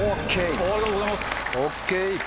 ありがとうございます。